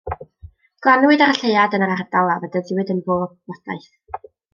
Glaniwyd ar y lleuad yn yr ardal a fedyddiwyd yn Fôr Gwybodaeth.